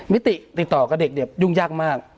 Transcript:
มิติติดต่อกับเด็กเนี่ยยุ่งยากมาก